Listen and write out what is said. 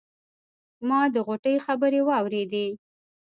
ما د غوټۍ خبرې واورېدې.